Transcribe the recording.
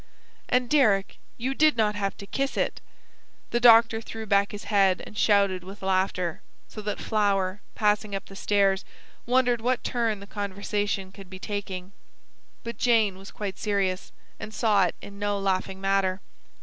"And, Deryck YOU DID NOT HAVE TO KISS IT." The doctor threw back his head and shouted with laughter, so that Flower, passing up the stairs, wondered what turn the conversation could be taking. But Jane was quite serious; and saw in it no laughing matter.